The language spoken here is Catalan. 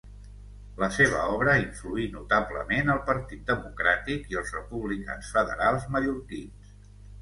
La seva obra influí notablement el Partit Democràtic i els republicans federals mallorquins.